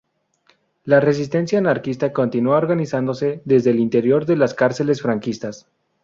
La resistencia anarquista continúa organizándose desde el interior de las cárceles franquistas.